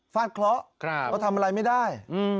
ฟาดเคราะห์ก็ทำอะไรไม่ได้